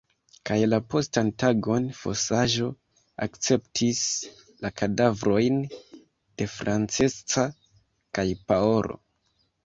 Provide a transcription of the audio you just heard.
Kaj la postan tagon fosaĵo akceptis la kadavrojn de Francesca kaj Paolo.